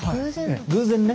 偶然ね。